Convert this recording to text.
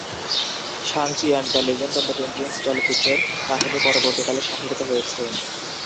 Shang-Chi and the legend of the ten rings চলচ্চিত্রের কাহিনী পরবর্তীকালে সংঘটিত হয়েছে।